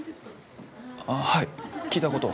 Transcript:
あぁはい聞いたことは。